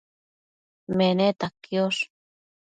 Meneta quiosh